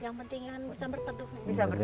yang penting bisa berteduh